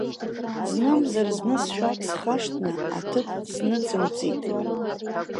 Знымзар зны сшәақь схашҭны аҭыԥ сныҵымҵит.